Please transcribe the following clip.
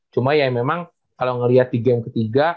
cuma ya memang kalau ngelihat di game ketiga